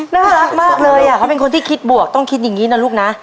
น่ารักมากเลยเขาเป็นคนที่คิดบวกต้องคิดอย่างนี้นะลูกนะ